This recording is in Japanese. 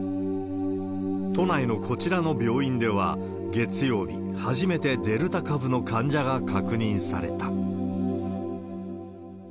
都内のこちらの病院では、月曜日、初めてデルタ株の患者が確認された。